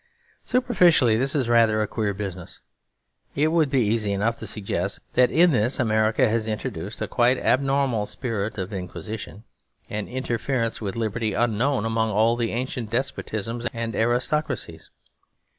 Superficially this is rather a queer business. It would be easy enough to suggest that in this America has introduced a quite abnormal spirit of inquisition; an interference with liberty unknown among all the ancient despotisms and aristocracies.